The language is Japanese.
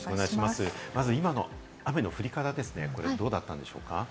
まず、雨の今の降り方はどうだったんでしょうか？